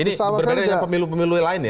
ini berbeda dengan pemilu pemilu yang lain ya